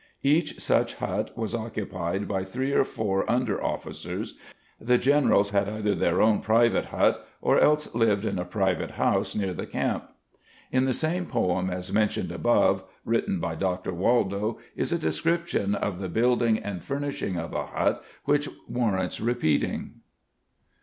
Each such hut was occupied by three or four under officers, the generals had either their own private hut or else lived in a private house near the camp. In the same poem as mentioned above written by Dr. Waldo is a description of the building and furnishing of a hut which warrants repeating.